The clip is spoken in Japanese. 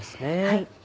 はい。